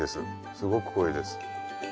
すごく濃いです。